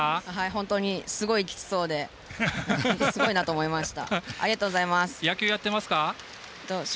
すごいきつそうですごいなと思いました。